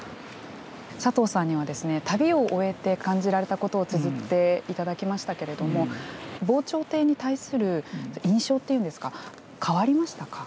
佐藤さんには旅を終えて感じられたことをつづっていただきましたけれども防潮堤に対する印象っていうんですか、変わりましたか。